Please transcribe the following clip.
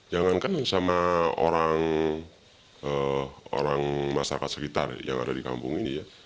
jangankan sama orang masyarakat sekitar yang ada di kampung ini ya